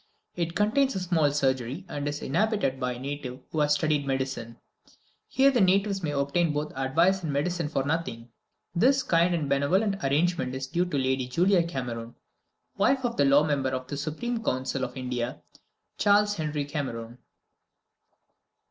It contains a small surgery, and is inhabited by a native who has studied medicine. Here the natives may obtain both advice and medicine for nothing. This kind and benevolent arrangement is due to Lady Julia Cameron, wife of the law member of the Supreme Council of India, Charles Henry Cameron.